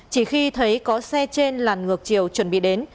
chỉ khi thấy có xe trên làn ngược chiều chuẩn bị đến